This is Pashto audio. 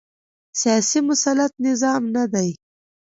سیاسي مسلط نظام نه دی